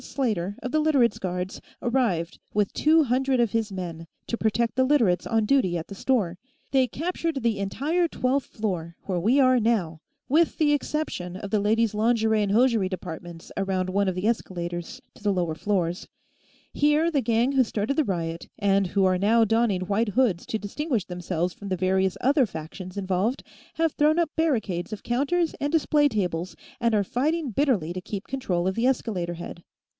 Slater, of the Literates' Guards, arrived with two hundred of his men, to protect the Literates on duty at the store. They captured the entire twelfth floor, where we are, now, with the exception of the Ladies' Lingerie and Hosiery departments around one of the escalators to the lower floors; here the gang who started the riot, and who are now donning white hoods to distinguish themselves from the various other factions involved, have thrown up barricades of counters and display tables and are fighting bitterly to keep control of the escalator head.